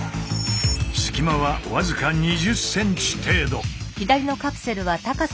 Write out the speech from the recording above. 隙間は僅か２０ｃｍ程度。